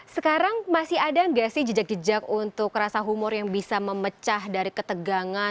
sekarang masih ada nggak sih jejak jejak untuk rasa humor yang bisa memecah dari ketegangan